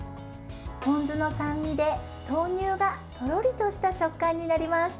ポン酢の酸味で、豆乳がとろりとした食感になります。